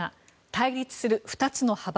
対立する２つの派閥。